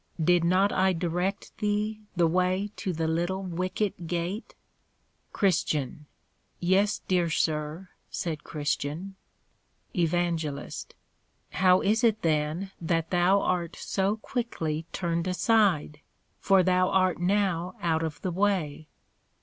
Did not I direct thee the way to the little Wicket gate? CHR. Yes, dear Sir, said Christian. EVAN. How is it then that thou art so quickly turned aside? for thou art now out of the way.